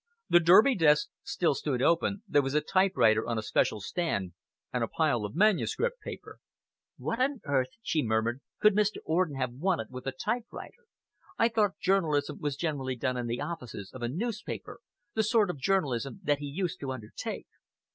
The Derby desk still stood open, there was a typewriter on a special stand, and a pile of manuscript paper. "What on earth," she murmured, "could Mr. Orden have wanted with a typewriter! I thought journalism was generally done in the offices of a newspaper the sort of journalism that he used to undertake."